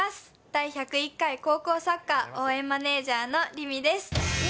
第１０１回高校サッカー応援マネージャーの凛美です。